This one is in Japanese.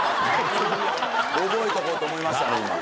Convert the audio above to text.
覚えとこうと思いました。